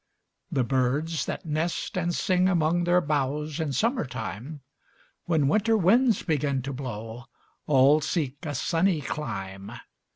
The birds that nest and sing among Their boughs in summer time, When winter winds begin to blow, All seek a sunny clime.